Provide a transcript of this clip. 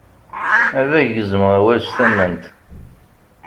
Ad ak-gezmeɣ awal s tament.